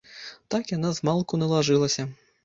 Так яна змалку налажылася.